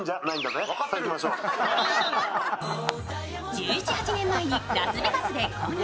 １７１８年前にラスベガスで購入。